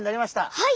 はい！